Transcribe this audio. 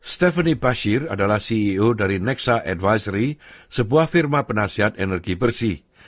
stephani bashir adalah ceo dari nexa advisory sebuah firma penasihat energi bersih